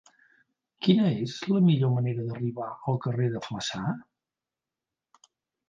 Quina és la millor manera d'arribar al carrer de Flaçà?